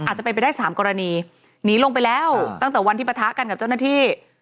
อาจจะเป็นไปได้สามกรณีหนีลงไปแล้วตั้งแต่วันที่ปะทะกันกับเจ้าหน้าที่